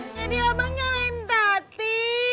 jadi abang nyalain tati